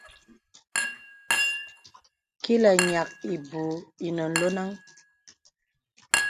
Kilə̀ ǹyàk ìbūū ìnə lɔnàŋ.